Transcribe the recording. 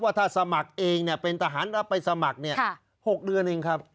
ถ้าสมัครเองเป็นทหารรับไปสมัคร๖เดือนเองครับ